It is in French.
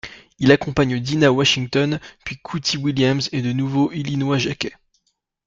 Il accompagne Dinah Washington, puis Cootie Williams et de nouveau Illinois Jacquet.